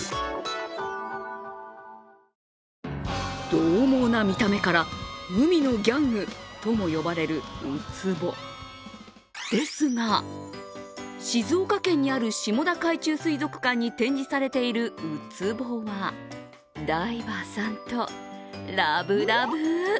どう猛な見た目から海のギャングとも呼ばれるウツボですが、静岡県にある下田海中水族館に展示されているウツボはダイバーさんとラブラブ。